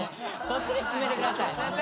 そっちで進めて下さい。